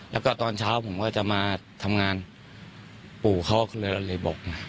แล้วก็ตอนเช้าผมก็จะมาทำงานปู่เขาก็เลยบอก